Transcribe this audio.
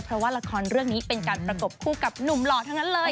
เพราะว่าละครเรื่องนี้เป็นการประกบคู่กับหนุ่มหล่อทั้งนั้นเลย